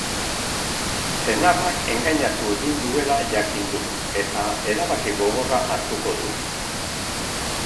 Senarrak engainatu egin duela jakin du, eta erabaki gogorra hartuko du.